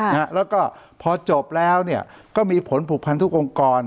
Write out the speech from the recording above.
ค่ะแล้วก็พอจบแล้วเนี้ยก็มีผลผูกพันธุ์ทุกองกร